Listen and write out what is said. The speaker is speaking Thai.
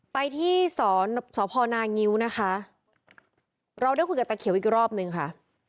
ไปที่สอนสพนางิ้วนะคะเราได้คุยกับตาเขียวอีกรอบนึงค่ะ